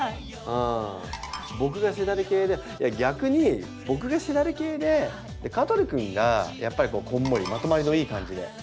僕がしだれ系で逆に僕がしだれ系で香取くんがやっぱりこんもりまとまりのいい感じで。